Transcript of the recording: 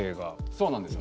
そうなんですよ。